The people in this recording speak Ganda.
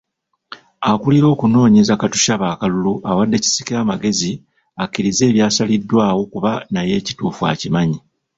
Akulira okunoonyeza Katushabe akalulu awadde Kisiki amagezi akkirize ebyasaliddwawo kuba naye ekituufu akimanyi.